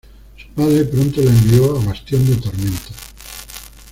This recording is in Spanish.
Su padre pronto la envió a Bastión de Tormentas.